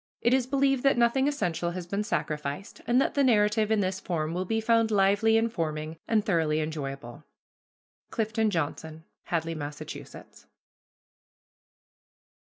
It is believed that nothing essential has been sacrificed, and that the narrative in this form will be found lively, informing, and thoroughly enjoyable. CLIFTON JOHNSON. HADLEY, MASSACHUSETTS.